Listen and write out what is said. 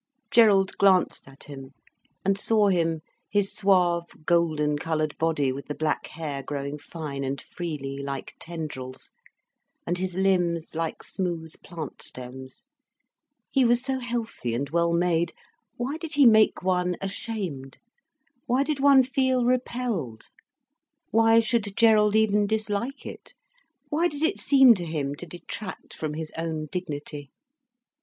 Gerald glanced at him, and saw him, his suave, golden coloured body with the black hair growing fine and freely, like tendrils, and his limbs like smooth plant stems. He was so healthy and well made, why did he make one ashamed, why did one feel repelled? Why should Gerald even dislike it, why did it seem to him to detract from his own dignity.